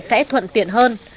sẽ thuận tiện hơn